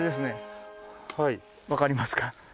分かりますか？